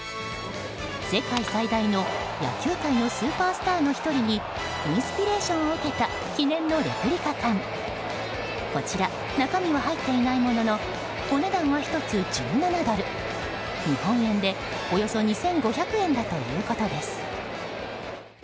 世界最大の野球界のスーパースターの１人にインスピレーションを受けた記念のレプリカ缶こちら中身は入っていないもののお値段は１つ１７ドル日本円で、およそ２５００円だということです。